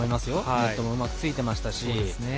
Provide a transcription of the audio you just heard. ネットもうまくついてましたし。